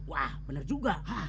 wah bener juga